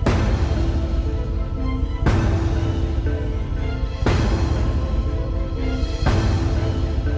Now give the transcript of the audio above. ที่จะสามารถเรียกเรื่อง